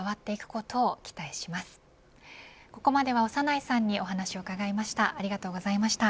ここまでは長内さんにお話を伺いました。